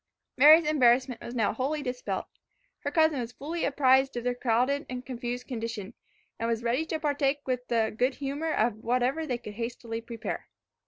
Mary's embarrassment was now wholly dispelled. Her cousin was fully apprised of their crowded and confused condition, and was ready to partake with good humour of whatever they could hastily prepare.